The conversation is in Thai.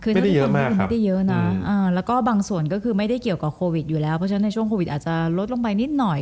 ในช่วงอนาคตฮูกีวิสาปหรือก็มีของโรรคอ่อนแล้ว